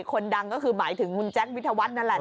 คนดังก็คือหมายถึงคุณแจ๊ควิทยาวัฒน์นั่นแหละ